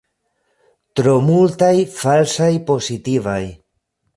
Tro multaj falsaj pozitivaj.